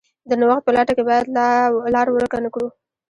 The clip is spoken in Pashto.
د نوښت په لټه کې باید لار ورکه نه کړو.